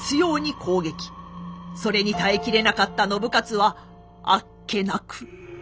それに耐え切れなかった信雄はあっけなく。